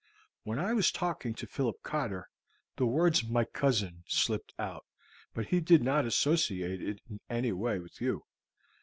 When I was talking to Philip Cotter, the words 'my cousin' slipped out, but he did not associate it in any way with you.